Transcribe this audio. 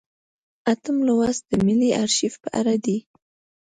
اتم لوست د ملي ارشیف په اړه دی.